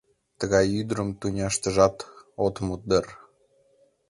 Тыгай ӱдырым тӱняштыжат от му дыр.